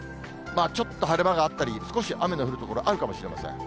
ちょっと晴れ間があったり、少し雨の降る所あるかもしれません。